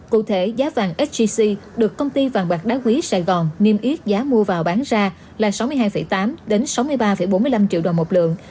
cụ thể giá vàng sgc được công ty vàng bạc đá quý sài gòn niêm yết giá mua vào bán ra là sáu mươi hai tám sáu mươi ba bốn mươi năm triệu đồng một lượng